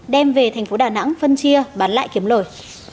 đem về thành phố đà nẵng phân chia bán lại kiếm lời